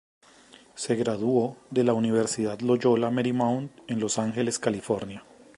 Se graduó de la Universidad Loyola Marymount en Los Angeles, California.